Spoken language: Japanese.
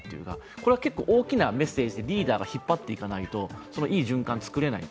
これは大きなメッセージ、リーダーが引っ張っていかないといい循環を作れない。